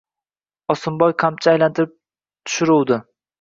Osimboy qamchi aylantirib tushiruvdi.